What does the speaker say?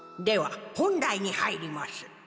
では本題に入ります。